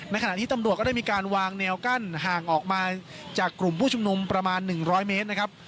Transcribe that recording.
ขณะนี้ตำรวจก็ได้มีการวางแนวกั้นห่างออกมาจากกลุ่มผู้ชุมนุมประมาณ๑๐๐เมตรนะครับ